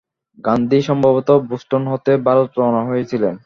গান্ধী সম্ভবত বোষ্টন হতে ভারত রওনা হয়েছিলেন।